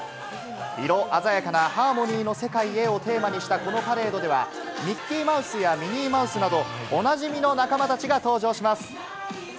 「色あざやかな、ハーモニーの世界へ」をテーマにしたこのパレードでは、ミッキーマウスやミニーマウスなど、おなじみの仲間たちが登場します。